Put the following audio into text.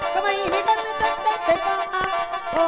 ก็ไม่มีคนในสัตว์ใจเป็นมองออก